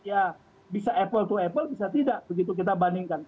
ya bisa apple to apple bisa tidak begitu kita bandingkan